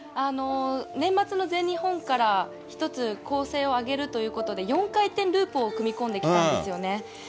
年末の全日本から１つ構成を上げるということで、４回転ループを組み込んできたんですよね。